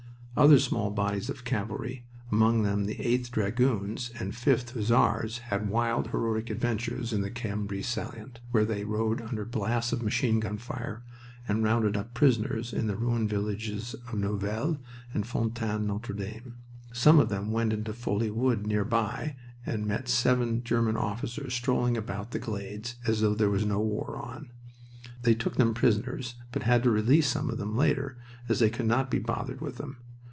Other small bodies of cavalry among them the 8th Dragoons and 5th Hussars had wild, heroic adventures in the Cambrai salient, where they rode under blasts of machine gun fire and rounded up prisoners in the ruined villages of Noyelles and Fontaine Notre Dame. Some of them went into the Folie Wood nearby and met seven German officers strolling about the glades, as though no war was on. They took them prisoners, but had to release some of them later, as they could not be bothered with them.